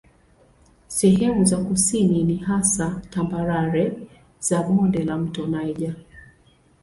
Sehemu za kusini ni hasa tambarare za bonde la mto Niger.